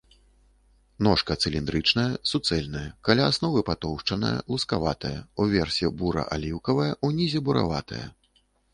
Ножка цыліндрычная, суцэльная, каля асновы патоўшчаная, лускаватая, уверсе бура-аліўкавая, унізе бураватая.